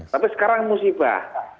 tapi sekarang musibah